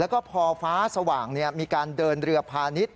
แล้วก็พอฟ้าสว่างมีการเดินเรือพาณิชย